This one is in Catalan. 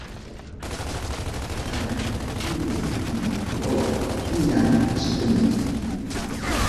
Per Cap d'Any en Lluc i na Lola aniran a Sacanyet.